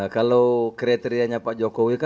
kalau kriteriannya pak jokowi